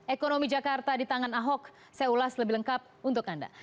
ekonomi jakarta di tangan ahok saya ulas lebih lengkap untuk anda